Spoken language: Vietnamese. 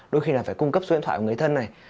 đôi khi là phải cung cấp số điện thoại của người thân này